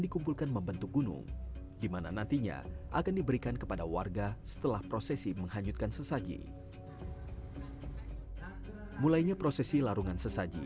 konsentrasi masyarakat terkumpul di tempat pagelaran